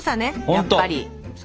やっぱり。